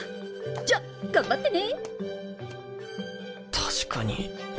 じゃ頑張ってね。